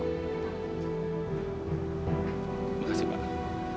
terima kasih banyak